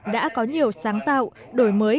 đã có nhiều sáng tạo đổi mới